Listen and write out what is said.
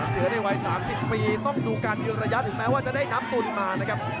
ในวัย๓๐ปีต้องดูการยืนระยะถึงแม้ว่าจะได้น้ำตุนมานะครับ